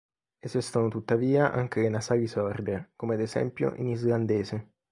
Esistono tuttavia anche le nasali sorde, come ad esempio in islandese.